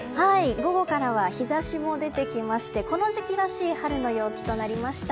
午後からは日差しも出てきましてこの時期らしい春の陽気となりました。